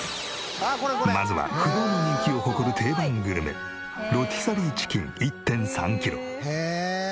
まずは不動の人気を誇る定番グルメロティサリーチキン１．３キロ。